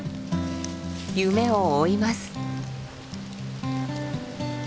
夢を追います。